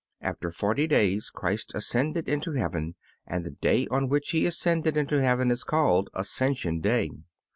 After forty days Christ ascended into heaven, and the day on which He ascended into heaven is called Ascension day.